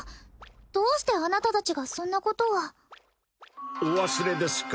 どうしてあなたたちがそんなことをお忘れですか？